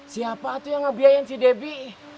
siapa itu yang ngebiayain si debi